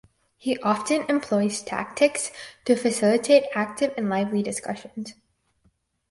He often employs tactics to facilitate active and lively discussions.